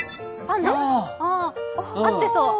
合ってそう。